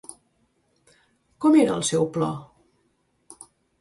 Com era el seu plor?